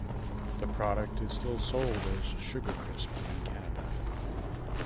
The product is still sold as Sugar Crisp in Canada.